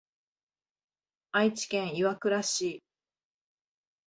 愛知県岩倉市